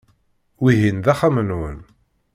Wihin d axxam-nwen.